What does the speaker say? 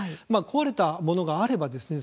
壊れたものがあればですね